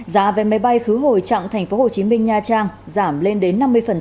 giá vé máy bay khứ hồi trạng tp hcm nha trang giảm lên đến năm mươi